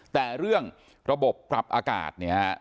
แต่เรื่องระบบปรับอากาศ